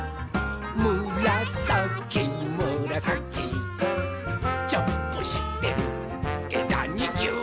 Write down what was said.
「むらさきむらさき」「ジャンプしてえだにぎゅう！」